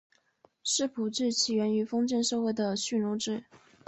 世仆制起源于封建社会的蓄奴制。